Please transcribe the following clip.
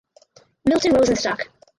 Milton Rosenstock.